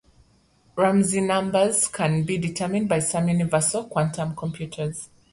Ramsey numbers can be determined by some universal quantum computers.